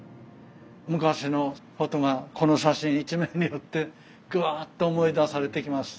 昔のことがこの写真一枚によってグワっと思い出されてきます。